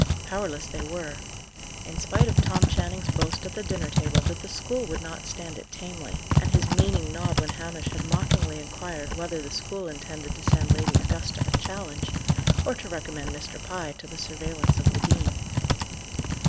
Powerless they were: in spite of Tom Channing's boast at the dinner table that the school would not stand it tamely, and his meaning nod when Hamish had mockingly inquired whether the school intended to send Lady Augusta a challenge, or to recommend Mr. Pye to the surveillance of the dean.